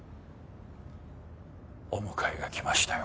お迎えが来ましたよ。